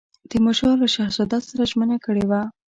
تیمورشاه له شهزاده سره ژمنه کړې وه.